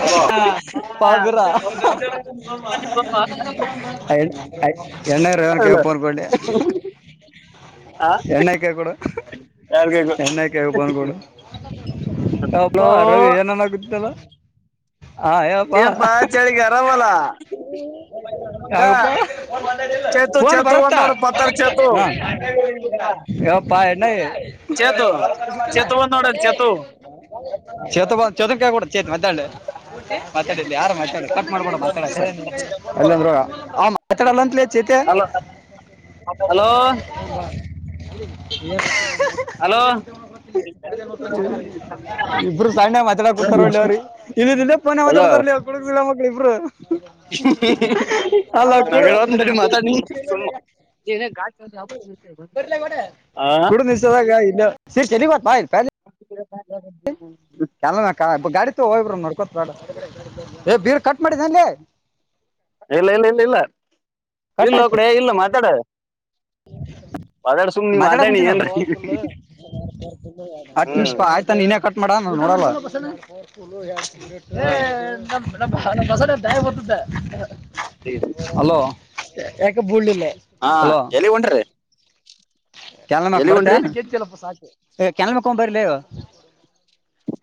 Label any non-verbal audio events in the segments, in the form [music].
Hello ಹ [unintelligible] [unintelligible] ಯಾರ್ಗೆ hello ಯಪ್ಪಾ ಅರೋಗ ಏನನಾಗುತ್ತಲ್ಲ ಹಾ ಯವಪ್ಪಾ ಏನ್ಪಾ ಚಳಿಗೆ ಆರಾಮಲ್ಲ ಹ ಯಾಕಪ್ಪ ಫೋನ್ ಬಂದೈತೆ ಇಲ್ಲ ಚೇತು ಫೋನ್ ಚೇತು ಒಂದ್ ಬರುತ್ತೆ ನೋಡ ಪತ್ತಾರ ಚೇತು ಹೇಳಪ್ಪ ಚೇತು ಚೇತು ಒಂದ್ ನೋಡಲ್ ಚೇತು [unintelligible] ಚೇತ ಬ ಚೇತನ್ ಕ ಕೂಡ ಚೇತ ಮದ್ಯಾಳ್ಳೆ ಮಾತಾಡ ಯಾರ ಮಾತಾಡ ಕಟ್ ಮಾಡ್ಕತಂದ ಮಾತಾಡಲ್ಲ ಅಂತಿಲ್ಲ ಚೇತ ಹಲೋ ಹಲೋ [unintelligible] ಹಲೋ ಇಬ್ರು ಸಣ್ಣ ಮಾತಾಡ ಕೂತಾರ ಒಳ್ಳಿ ಅವ್ರಿ ಇಲ್ಲ ಇಲ್ಲೆಪ್ಪನ ಹಲೋ ಮಾತಾಡ್ತಾರಲಿ ಅವ ಕುಳಿಲ್ಲ ಮಕ್ಳ ಇಬ್ರು ಅಲ್ಲಡ ಗಾಚಲ್ಲಿ ಆತಿ ಹ ನಿಸಾಗ ಇಲ್ಲ ಸರಿ ಚ ಬ ಹ ಎಲ್ ಗಾಡಿ ತ ಹೋಗಬರು ನಡ್ಕೋತ ಬೇಡ ಏ ಬೀರ್ ಕಟ್ ಮಾಡಿದ ಅನ್ಲ್ಲಿ ಇಲ್ಲ ಇಲ್ಲ ಇಲ್ಲ ಇಲ್ಲ ಕಟ್ ಇಲ್ಲ ಆಯ್ತು ಕಡೆ ಇಲ್ಲ ಮಾತಾಡದು ಮಾತಾಡ ಕುಂತೀನ ಹ್ಮ್ ನಿಮ ಆಯ್ತ ನೀನೇ ಕಟ್ ಮಾಡ ನೋಡಲ್ಲ ಹಾ ಬಸ ಬತಿದ್ದ ಹಲೋ ಯಏಕೆ ಬುಳ್ಳಿಲ್ಲ ಹಾ ಎಲ್ಲಿಗೊಂಡ್ರಿ ಕೆಲ್ ಮಕ್ ಬರ್ತ್ತಕ ಕೆಲ್ಮ ಬರ್ಲಿ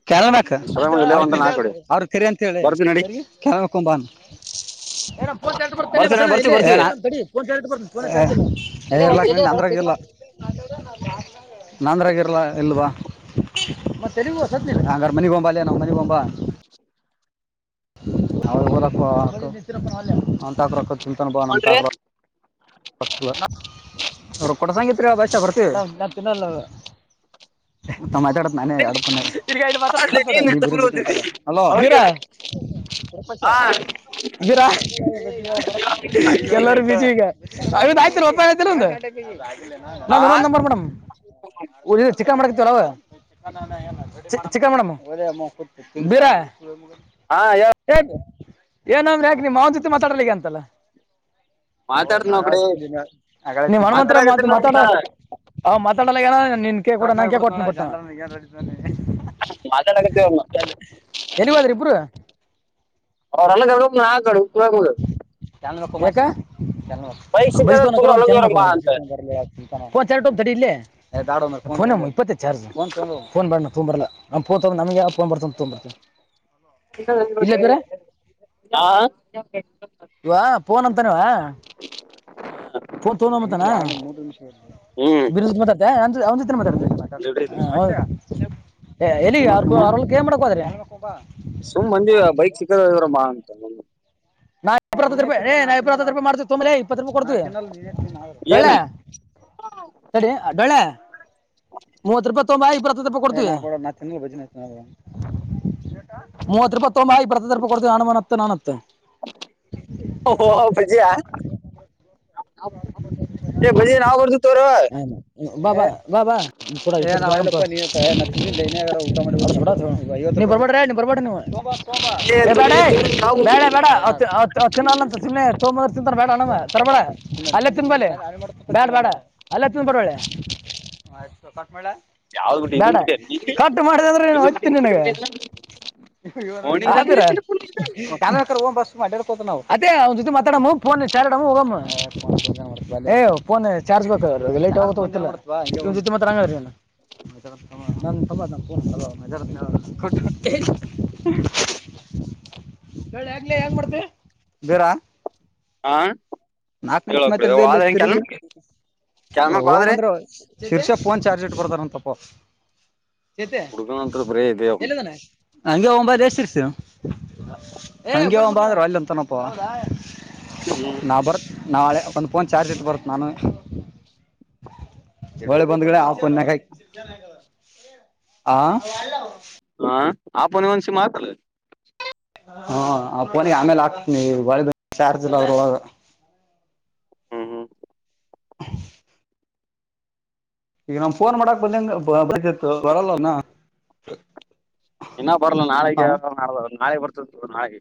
ಕೆ ಅವ್ರ ಹೊಂಡ ನಾ ಕೊಡಿ ಅವ್ರ ಕೆರೆ ಅಂತ ಬರ್ತೀವಿ ನಡಿ ಹೇಳಿ ಕಕಂಬಾನ ೋನ್ ಬರ್ತೀವಿ ನಡಿ, ಬರ್ತೀವಿ ಬರ್ತೀವಿ ಇರ್ಲಾ ಅಂದ್ರ ಇಲ್ಲಾ ನಾಂದ್ರಗರ್ಲ ಇಲ್ವಾ ಮತ್ತೆಲ್ಲಿಗೂ ಸದ ಹಂಗಾರ ಮನಿಗೊಂಬ ಅಲ್ಲ ನಾವವು ಮನಗೊಂಬಾ [unintelligible] ಅವ್ರ ಹಲಕ್ಕ ನ ತಕ್ರಕ ತಿಳ್ತಾನ ಬಾ ನಮ ತಾಕ ರು ಕೊಟ್ಟ ಸಂಗೀತಷ್ಟ ಬರ್ತೀವಿ ನ ತಿನ್ನಲ್ಲ [unintelligible] ಮ ಮಾತಾಡತ್ ನಾನೇಪ ನೀನ್ ಎಂತ ಗುರು ಓದಿದ್ದಿ ಹಲೋ ಬೀರ ಅವ್ರಿಗೆ ಹಾ ಇದೀರಾ ಎಲ್ಲರ ಬೀಜಿ ಈಗ ಆಯ್ ಒತ್ತ್ರ ಒ ನ ಹಾ ಇನ್ನೊಂದ್ ನಂಬರ್ ಮೇಡಮ್ ಚಿಕ್ಕನ್ ಮಾಡ್ಕತಾರರ ಚಿಕನ್ ಮೇಡರ ಬೇರ ಹಾ ಯಾವ ಹೇಗ್ ಏನಂದ್ರೆ ಯಾಕ್ ನೀನ್ ಜೊತೆ ಮಾತಾಡಲಿಕ್ಕೆ ಅಂತಲ್ಲ ಓ ಮಾತಾಡ್ತ ನಾವ್ ಕಡೆ ನೀಣ ಮಾತ್ರ ಮಾತ್ ಮಾತಾಡಕತ್ತಿರ ಮಾತಾಡ ಹ ಮಾತಾಡಲ್ಲ ಏನನ್ ಕಡ ನ ಹ ಮಾತಾಡುತ್ತೇವ ಮಾತ್ರ ಎಲ್ಲಿ ಹೋದ್ರಿ ಇಬ್ರು ಅವ್ರಲ್ಲ ಗ ನಾ ಚೆ ಬ ಬೈಕ್ ಬ [inaudible] ಸಿಕ್ಕದ ತುಳು ಅಲಗೋರ ಬಾ ಅಂತ ಡಿ ಇೇ ಇಪ್ಪ [inaudible] ಚಾರ್ಜ ನ್ ಬಣ ತಂಬರಲ್ಲ ನಮ್ಮ [inaudible] ತ ನಮಗೆಾವ ನ್ ಬರ್ತ ತುಂಬರ್ತ [inaudible] ಹ ನೋಡ್ ಹಾ ಇ ಫೋನ್ ಅಂತಾನವಾ ತೋ ಮತಾನ ಬಿತ [unintelligible] ಜ ಎಲ್ಲಿಗೆ ಯಗ ಅವ್ರಲ್ನ್ ಮಾಡಕ ಹೋದ್ರಿ ಮಾಡಕೊಬ ಸುಮ್ ಮಂದಜೆ ಆ ಬೈಕ್ ಸಿಕ್ಕದ ಇದ್ರ ಮಾ ಅಂತ ನಾ ಇತ್ತತ್ತು ರಪಾಯ ಏ ನಾ ಇರ ಹತ್ತು ರೂಪಾಯ ಮಾಡ್ತ ತೊರೆ ಇಪ್ಪತ್ತುೂಪಾಯಿ ಕೊಡ್ತೆವೀ ಏನ್ ಡಳೆ ಸರಿ ಡಳೆ ಮೂವತ್ತು ರೂಪಾಯ ತಂಬಾ ಇಪ್ಪರ ಹತ್ತು ರೂಪಾಯ ಕೊಡ್ತೀ ಮೂವತ್ ರೂಪಾಯಿ ತಗೊಂಬತ್ತ ರೂಪಾಯಿ ಕೊಡ್ತೀ ನಾನು ಮ ನಾನುತ್ ಓ ಭಜ ಭಜ ನಾವು ಬತ ತೋರ ಬಬಾ ಬಬಾ ಬ ಬಬ ೋ ಏ ಬೇಡ ತುಳಿ ತುಳಿ ನಾವ್ ಬೇಡ ಬರ್ತೀವಿ ಬೇಡ ತಿನ್ನಲ್ಲಂತ ಸುಮನೆ ತೋ ತಿಂತಾರ ಬೇಡ ಅಣ ತರಬೇಡ ಅಲ್ಲೇ ತಿನ್ಬೇ ಬ್ಯಾಡ ಬೇಡ ಅಲ್ಲ ಹತ್ಂದ ಬರಳೆ ಆಯ ಕಟ್್ಮಳ ಯಾವ್ದ್ ಬಿಟ್ಟು ಬೇಡ ಇದನ್ ಬಿಟ್ಟೆ ಇದನ್ ಕಟ್ು ಮಾಡುದಾದ್ರೆ ಹೊಯ್ತೀನಿ ಬಿಟ್ಟು ಬಿಟ್ಟು ನಿನಗೆ ಬಿಟ್ಟಿದ್ನ ಓಣಿಗ್ದಾಗ ಆದಿರ ಚಾನಕ್ಕ ಓ ಬಸ್ ಮಾಡಡಾಡೋತವು ಅ ಅವ್ನುತೆಿ ಮತ್ತಡಮಫೋನ್ ಇಚ್ಾಾರಡಮ ಉಗ್ ಫೋನ್ ಚಾರ್ಜ್ ಬೇಕ ಲೇಟ್ ಗೊತೆ ಮಾತ್ರಂಗ ನ ಕಾರ [unintelligible] ಕಿ ಆಗ್ಲ ಯಗ್ ಮಾಡ್ತ ಬೇರಾ ಆಾ ನಾಕ್ು ನಿಮಿಷ ಮಾತಡ್ದ ಇಲ್ಲಿ ತಿರ್ಗಿ ಕೆಲ್ಮಕ್ ಓಂ ವಾದ್ರೆ ಅಂದ್ರ ಶಿರ್ಷ ಫೋನ್ ಚಾರ್ಜ್ ಇಟ್ಕೊಡತಾರಂತಪ್ಪ ಚೇತೆ ಹುಡುಗನಂತ್ರ ಬರೇ ಇದೆ ಅವ್ ಎಲ್ಲಿದ್ದಾನೆ ಹಂಗೆ ಒಂಬ ಎರ್ಸ ಹಗೆ ಒ ಅಂದ್ರು ಅಲ್ಲಿಂತನಪ್ಪ ಹ್ಮ ಬರತ್ತೆ ನಾಳೆ ಒಂದು ಫೋನ್ ಚಾರ್ಜ್ ಇಟ್ಟು ಬರುತ್ತೆ ನಾನು ಹೊಳ್ಳೆ ಬಂದ್ ಕಡೆ ಆ ಪಕಾಯ ಆ ಹ ಆಪನ ಮನ್ಸಿ ಮಾತ್ರಲ್ಲ ಹಾ ಆ ಪಫೋನಿಗೆ ಆಮೇಲೆ ಹಾಕ್ತನಿ ಬ ಚಾರ್ಜ್ ಇಲ್ಲ್ರ ಹ್ಮ್ ಹ್ಮ್ ಈಗ ನಮ ಫೋನ್ ಮಾಡಾಕ್ ಬಂದಂಗ ಬಯಸತ್ತು ಬರಲ್ಲವನಾ ಇನ್ನ ಬರ್ಲ್ಲ ನಾಳೆಗ ಮಾಡ ನಾಳೆ ಬರ್ತದ ನಾಳೆಗೆ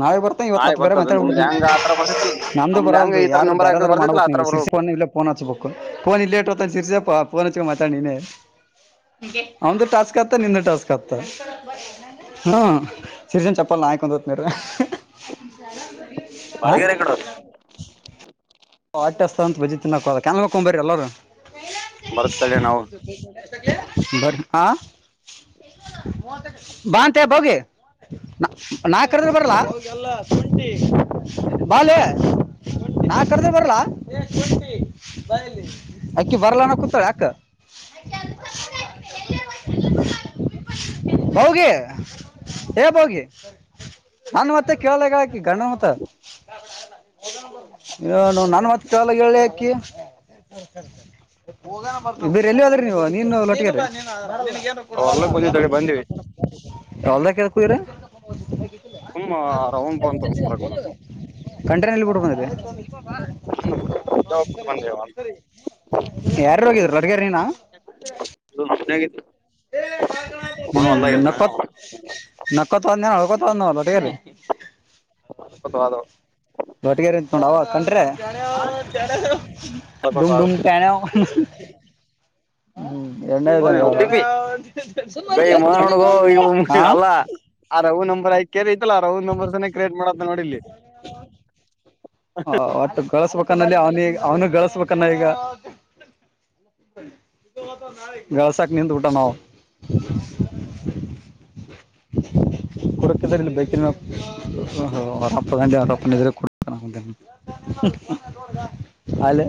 ನಾವ ಬರ್ತೇ ಇವತ್ತುತ್ ಬೇರೆ ಮಾತಾ ಬಿಡ್ಿ ಬರ್ತೈತ್ತಲ್ ನಮಂದುು ನಮ್ದ್ ಹೆಂಗ ಬರದು ಈ ಯಾರು ನಂಬರ್ ಬೇರೆ ಹಾಕದ್ ತರ ಮಾಡ್ಬು ಬರ್ತೈತಿಲ್ಲ ಆತರ ನೀವು ಶಿರ್ಿ ಬರ್ಬೇಕು ಇ ಫೋನ್ಚ್ು ಬು ೋನಲ್ಲಿ ಲೇಟ್್ತಂತ ಸಿರಿಸಸ ೋನ್ಚ್ಕ ಮಾತಾಡಿನನೆ ಒದು ಟಾಚ್ ಕತ್ತಾ ನಿನ್ನೆ ಟಾಚ್ ಕತಾ ಹ್ಮ ಸಿರಿಜನ್ ಚಪ್ಪಲ್ಲ ನಯ್ಕಂದತ್ನ್ರ ಬಳಗರೆ ಇಕಡ [unintelligible] ಆಟಸ್ತ ಅಂತ ಬಜಿ ತಿನ್ನಾಕೋದ ಕನ್ ಹಕೊಂಬ್ರ ಎಲ್ಲಾರೂ ಬರ್ತಡೆ ನಾವು ಬ ಆ ಬಂತ ಬೋಗಿ ನಾ ಕರೆದ್ರೆ ಬರಲ್ಲಲ್ಲು ಬಾಾಲ ಕ ಬರ್ಲಾ ಅಕ್ಕಿ ಬರಲಾನ ಕೂತ್ಳ ಅಕ [unintelligible] ಹೌಗೆಿ ಬೌಗೆಿ ನನ್ ಮತ್ತೆ ಕೇಳಳಾಗ ಹಾಕಿ ಗಂಡ ಮತ ನು ನನ್ವತ್ ಕಾಲ ಹೇಳಿ ಯಕಿ ಬೇರೆ ಎಲ್ಲಿ ಹದ್ರಿ ನೀವು ನೀನು ಲೊಟ್ಟಿಗೆ ಹೊಲ್ಲಕ್ ಬಂದಿದ್ದಳಿ ಬಂದಿವವಿ ಅವಲ್ದ ಕುಯ್ರ ತುಂಬಾ ಆನ್ ಬಂತರ ಕಂಟ್ರಿನಲ್ಲಿ ಬಿಟ್ಟು ಬಂದಿರಿ ಾವ ಕುಟಕೊಂಡೇವ [unintelligible] ಯಾರ ಹೋಗಿದ್ರು ಲಡ್ಗಾರ ನೀನಾ ಾಗಿದ ಹ್ಮ್ ನಕ್ಕತ್ ನಕ್ಕತ್ ಹೊಳ್ಕೊತಲ್ಲಟಗರಿ ದೋಟಗರೆಂತೊಂಡ ಅವ ಕಂ್ರೆ ೂಮ ೂಮ ಕೆಟಾಣ ಹ್ಮ್ ಎರಡನೇ ಹಟ್ಟಿಪಿ ಬೈ ಮ ನೋಡ್ಗ ಇ ಹತ್ತಿರ ಹಾ ಅಲ್ಲ ಆ ರವು ನಂಬರ್ ಆಯ್ಕ ಐತ್ತಲ್ಲ ರವು ನಂಬರ್ನೇ ಕ್ರಿಯೇಟ್ ಮಾಡಂತ ನೋಡಿಲ್ಲಿ ಹ ಒಟ್ಟು ಕಳುಸ್ಬೇಕಾನಲ್ಲಿ ಅವನಿಗೆ ಅವ್ನು ಗಳಸ್ಬೇಕಾನ ಈಗ. ಗಳ್ಸಕ್ ನಿಂತ್ಬುವನ್ ಅವನೀಗ. ಕುಡಕಿದ್ರ ಇಲ್ಲಿ ಬೈಕ ಅಪ್ಪ [unintelligible] ಅಲೆ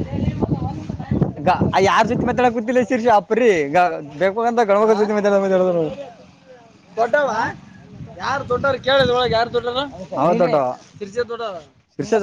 ಹ ಯಾರ್ ಜೊತೆ ಮಾತಾಡ ಕೂತಿಲ್ಲ ಶೀರ್ಷಿ ಅಪ್ಪ್ರೀ ಗ ಬೇಕು ಅಂತ [unintelligible] ಹ ದೊಡ್ಡವಾ. ಯಾರ್ ದೊಡ್ಡವರು ಕೇಳಲ್ಲ ಒಳಗೆ ಯಾರ್ ದೊಡೊರು ಅವ ದೊಡೋರು [unintelligible]